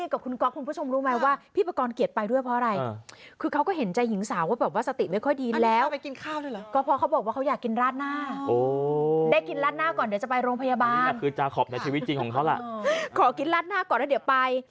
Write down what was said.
ก็เพราะเขาบอกว่าเขาอยากกินลาดหน้า